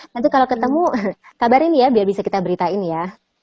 nanti kalau ketemu kabarin ya biar bisa kita beritain ya